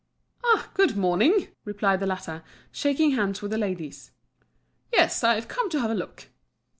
"Ah! good morning!" replied the latter, shaking hands with the ladies. "Yes, I've come to have a look."